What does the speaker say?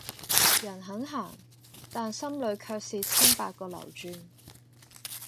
人很閒、但心裏卻是千百個流轉